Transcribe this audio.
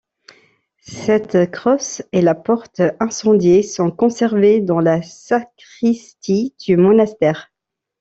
Cette crosse et la porte incendiée sont conservées dans la sacristie du monastère.